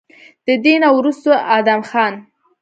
د دې نه وروستو ادم خان